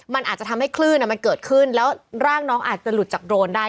มันอาจจะทำให้คลื่นมันเกิดขึ้นแล้วร่างน้องอาจจะหลุดจากโดรนได้